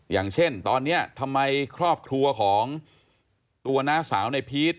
อย่างเช่นตอนนี้ทำไมครอบครัวของตัวน้าสาวในพีช